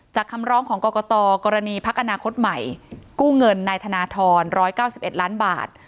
คำร้องของกรกตกรณีพักอนาคตใหม่กู้เงินนายธนทร๑๙๑ล้านบาท